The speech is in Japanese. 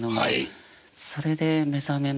それで目覚めまして。